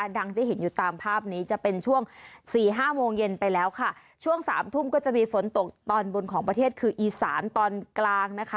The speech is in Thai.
ได้เห็นอยู่ตามภาพนี้จะเป็นช่วงสี่ห้าโมงเย็นไปแล้วค่ะช่วงสามทุ่มก็จะมีฝนตกตอนบนของประเทศคืออีสานตอนกลางนะคะ